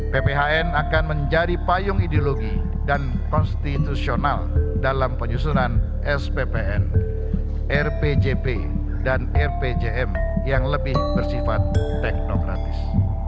pphn akan menjadi payung ideologi dan konstitusional dalam penyusunan sppn rpjp dan rpjm yang lebih bersifat teknokratis